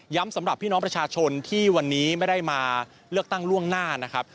สำหรับพี่น้องประชาชนที่วันนี้ไม่ได้มาเลือกตั้งล่วงหน้านะครับ